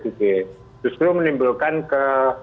itu justru menimbulkan ke